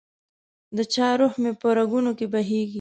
دچا روح مي په رګونو کي بهیږي